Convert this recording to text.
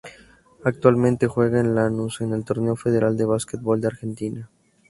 Actualmente juega en Lanús en el Torneo Federal de Básquetbol de Argentina.